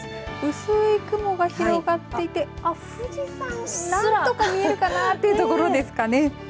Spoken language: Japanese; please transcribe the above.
薄い雲が広がっていて富士山、何とか見えるかなというところですかね。